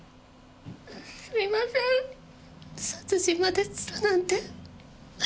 すいません殺人までするなんて。